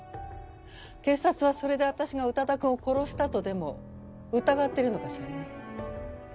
警察はそれで私が宇多田くんを殺したとでも疑ってるのかしらね？